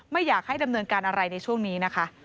ไม่อยากให้ดำเนินการอะไรในช่วงนี้นะคะ